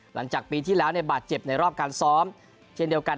หลังจากปีที่แล้วบาดเจ็บในรอบการซ้อมเช่นเดียวกัน